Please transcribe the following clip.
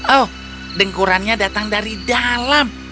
oh dengkurannya datang dari dalam